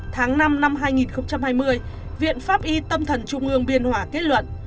tháng năm năm hai nghìn hai mươi viện pháp y tâm thần trung ương biên hòa kết luận